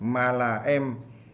mà là em